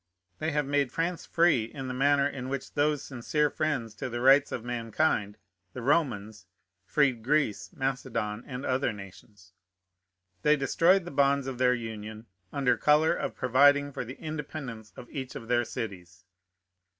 They have made France free in the manner in which those sincere friends to the rights of mankind, the Romans, freed Greece, Macedon, and other nations. They destroyed the bonds of their union, under color of providing for the independence of each of their cities.